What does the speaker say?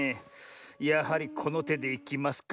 やはりこのてでいきますか。